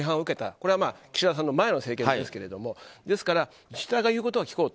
これは岸田さんの前の政権ですけどですから自治体が言うことは聞こうと。